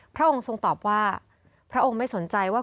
พระองค์ทรงตอบว่าพระองค์ไม่สนใจว่า